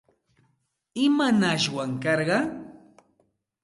¿Imanashwan karqan?